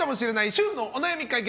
主婦のお悩み解決！